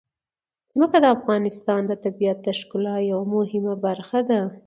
ځمکه د افغانستان د طبیعت د ښکلا یوه مهمه برخه ده.